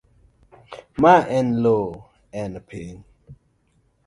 Ma en loo, en piny.